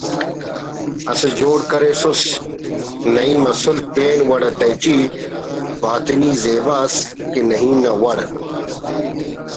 اس جوڑ کریسس نعیم اسُل پین وڑ تہٹی (باطنی) زیبا ئس کہ نعیم نا وڑ